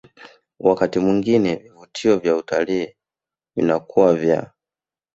Wakati mwingine vivutio vya utalii vinakuwa vya